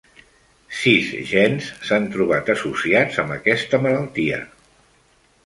Sis gens s'han trobat associats amb aquesta malaltia.